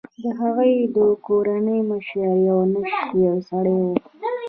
د هغوی د کورنۍ مشر یو نشه يي سړی و.